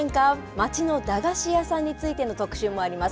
町の駄菓子屋さんについての特集もあります。